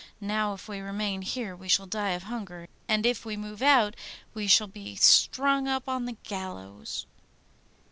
Now if we remain here we shall die of hunger, and if we move out we shall be strung up on the gallows.